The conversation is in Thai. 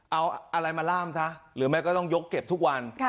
เอาอะไรมาล่ามซะหรือไม่ก็ต้องยกเก็บทุกวัน